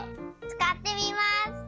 つかってみます！